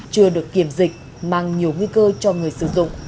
chưa được kiểm dịch mang nhiều nguy cơ cho người sử dụng